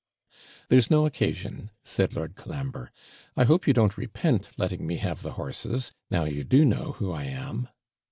'There's no occasion,' said Lord Colambre; 'I hope you don't repent letting me have the horses, now you do know who I am?'